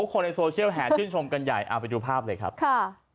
คนในโซเชียลแห่ชื่นชมกันใหญ่เอาไปดูภาพเลยครับค่ะ